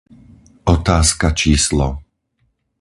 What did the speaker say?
Otázka číslo